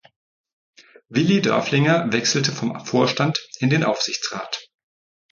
Willi Dörflinger wechselte vom Vorstand in den Aufsichtsrat.